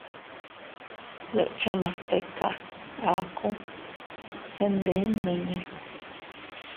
Dekchanas tika, aku se ndi nmiña.